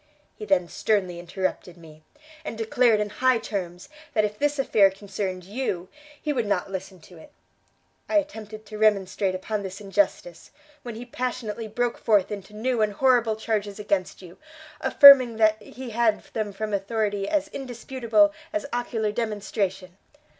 He then sternly interrupted me, and declared in high terms, that if this affair concerned you, he would not listen to it. I attempted to remonstrate upon this injustice, when he passionately broke forth into new and horrible charges against you, affirming that he had them from authority as indisputable as ocular demonstration.